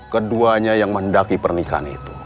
keduanya yang mendaki pernikahan itu